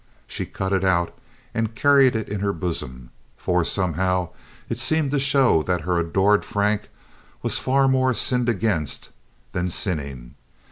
She cut it out and carried it in her bosom; for, somehow, it seemed to show that her adored Frank was far more sinned against than sinning.